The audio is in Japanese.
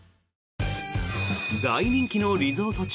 大人気のリゾート地